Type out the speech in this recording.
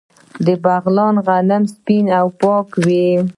د بغلان غنم سپین او پاک وي.